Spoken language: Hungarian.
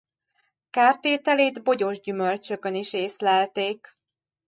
Kártételét bogyós gyümölcsökön is észlelték.